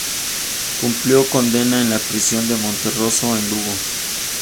Cumplió condena en la prisión de Monterroso, en Lugo.